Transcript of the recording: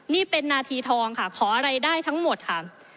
นี่เป็นนาทีทองค่ะขออะไรได้ทั้งหมดค่ะ